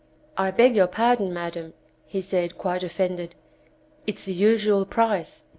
"I beg your par don. Madam," he said, quite offended, "it's the usual price."